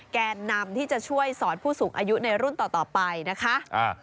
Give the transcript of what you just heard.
แกนนำที่จะช่วยสอนผู้สูงอายุในรุ่นต่อไปนะคะ